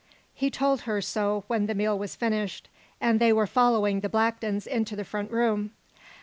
He told her so when the meal was finished, and they were following the Blacktons into the front room.